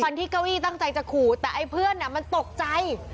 ฟันที่เก้าอี้ตั้งใจจะขู่แต่เพื่อนน่ะมันตกใจ